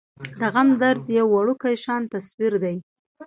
د غم درد يو وړوکے شان تصوير دے ۔